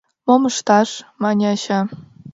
— Мом ышташ? — мане ача.